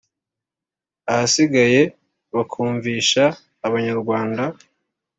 ahasigaye bakumvisha abanyarwanda